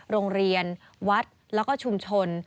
โรงเรียนวัดแล้วก็ชุมชน